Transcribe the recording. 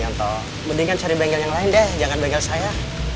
atau mendingan cari bengkel yang lain deh jangan bengkel saya